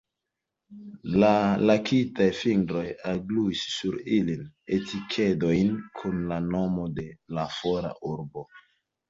La lakitaj fingroj algluis sur ilin etikedojn kun la nomo de la fora urbo.